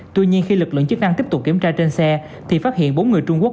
tuy nhiên khi lực lượng chức năng tiếp tục kiểm tra trên xe thì phát hiện bốn người trung quốc